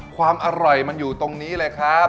ความอร่อยมันอยู่ตรงนี้เลยครับ